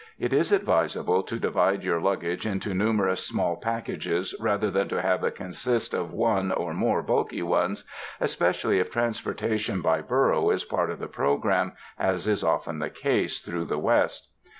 It is advisable to divide your luggage into numerous small packages rather tiian to have it consist of one or more bulky ones, especially if transportation by burro is part of the program, as is often the case through the West.